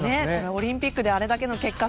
オリンピックであれだけの結果。